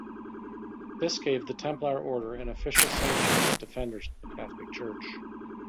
This gave the Templar Order an official sanction as defenders of the Catholic Church.